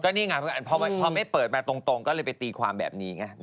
ก็นี่ไงเพราะว่าพอไม่เปิดแบบตรงก็เลยไปตีความแบบนี้ไง